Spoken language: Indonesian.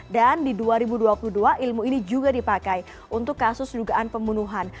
dan di dua ribu dua puluh dua ilmu ini juga dipakai untuk kasus dugaan pembunuhan